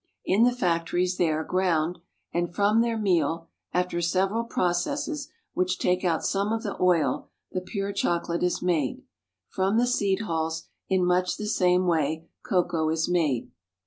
In the factories they are ground, and from their meal, after several processes which take out some of the oil, the pure chocolate is made. From the seed hulls, in much the same way, cocoa is made.